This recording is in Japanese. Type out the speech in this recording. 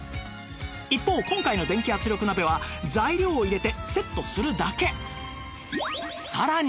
一方今回の電気圧力鍋は材料を入れてセットするだけ